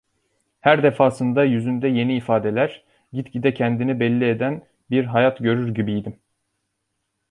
Her defasında yüzünde yeni ifadeler, gitgide kendini belli eden bir hayat görür gibiydim.